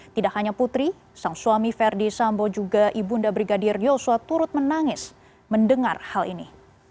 tidak hanya putri sang suami verdi sambo juga ibunda brigadir yosua turut menangis mendengar hal ini